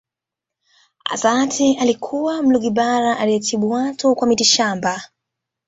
Assa Aatte alikuwa Mlugbara aliyetibu watu kwa mitishamba